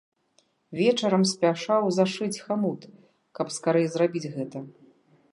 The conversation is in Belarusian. Вечарам спяшаў зашыць хамут, каб скарэй зрабіць гэта.